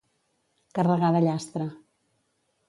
Carregar de llastre.